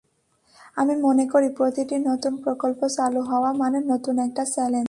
আমি মনে করি, প্রতিটি নতুন প্রকল্প চালু হওয়া মানে নতুন একটা চ্যালেঞ্জ।